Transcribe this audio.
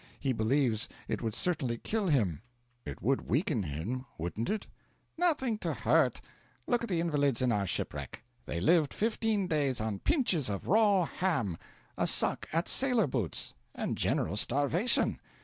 He believes it would certainly kill him.' 'It would weaken him, wouldn't it?' 'Nothing to hurt. Look at the invalids in our shipwreck. They lived fifteen days on pinches of raw ham, a suck at sailor boots, and general starvation.